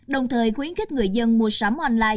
đồng thời khuyến khích người dân mua sắm